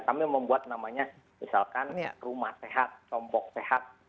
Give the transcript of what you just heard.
kami membuat namanya misalkan rumah sehat tombok sehat